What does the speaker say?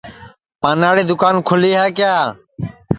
پاناڑی دؔوکان کھولی کیا